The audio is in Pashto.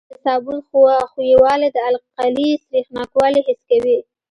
د صابون ښویوالی د القلي سریښناکوالی حس کوي.